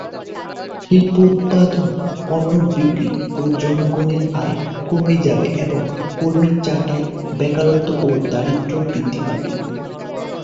শিল্পোৎপাদন, পণ্য বিক্রি ও জনগণের আয় কমে যাবে এবং কর্মী ছাঁটাই, বেকারত্ব ও দারিদ্র্য বৃদ্ধি পাবে।